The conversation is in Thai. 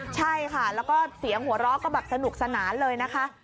ใช่ค่ะแล้วก็เสียงหัวเราะก็แบบสนุกสนานเลยนะคะ